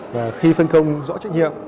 và khi phân công rõ trách nhiệm